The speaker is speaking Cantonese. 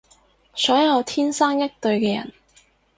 所有天生一對嘅人